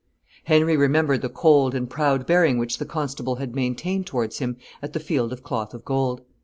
Henry remembered the cold and proud bearing which the constable had maintained towards him at the Field of Cloth of Gold.